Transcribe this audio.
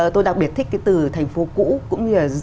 tôi đặc biệt thích cái từ thành phố cũ